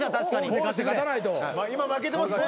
今負けてます。